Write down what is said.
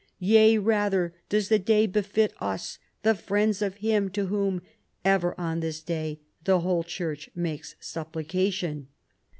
Yea rather does the day befit us, the friends of Him to Whom ever on this day the whole Church makes supplica tion."